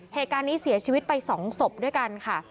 เหตุการณ์นี้เสียชีวิตไป๒ศพด้วยกันค่ะ